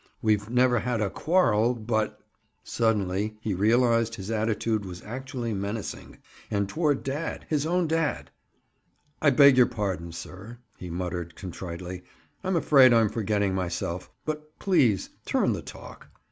"We've never had a quarrel, but—" Suddenly he realized his attitude was actually menacing. And toward dad—his own dad! "I beg your pardon, sir," he muttered contritely. "I'm afraid I am forgetting myself. But please turn the talk."